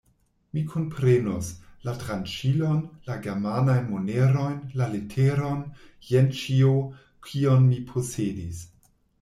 Mi kunprenus: la tranĉilon, la germanajn monerojn, la leteron, jen ĉio, kion mi posedis.